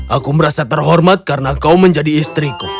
aku merasa terhormat karena kau menjadi istriku